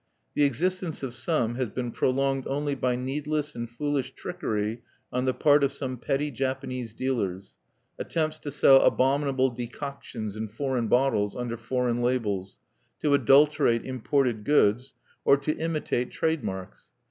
The existence of some has been prolonged only by needless and foolish trickery on the part of some petty Japanese dealers, attempts to sell abominable decoctions in foreign bottles under foreign labels, to adulterate imported goods, or to imitate trade marks.